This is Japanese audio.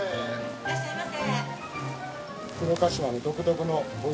いらっしゃいませ。